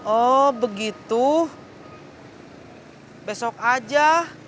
oh begitu besok aja